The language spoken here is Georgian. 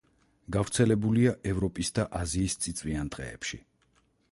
გავრცელებულია ევროპის და აზიის წიწვიან ტყეებში.